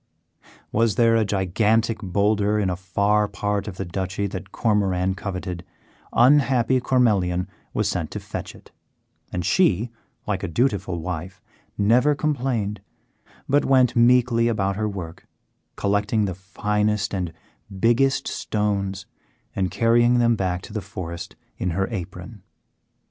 Was there a gigantic boulder in a far part of the Duchy that Cormoran coveted, unhappy Cormelian was sent to fetch it; and she, like a dutiful wife, never complained, but went meekly about her work, collecting the finest and biggest stones and carrying them back to the forest in her apron.